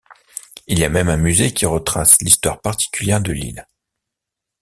Il y a même un musée qui retrace l'histoire particulière de l'île.